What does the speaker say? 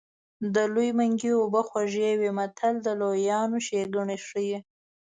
د لوی منګي اوبه خوږې وي متل د لویانو ښېګڼې ښيي